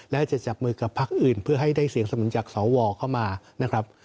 และจะจับมือกับพักอื่นเพื่อให้ได้เสียงสนุนจากสวเข้ามานะครับ